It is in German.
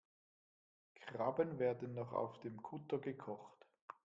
Krabben werden noch auf dem Kutter gekocht.